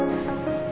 aku mau ke rumah